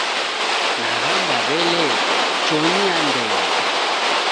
Naghamba w'elee, chonyi andenyi!